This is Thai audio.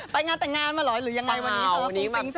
ไปงานแต่งงานมาเหรอหรือยังไงวันนี้เพราะว่าฟุ้งฟิ้งจังเลย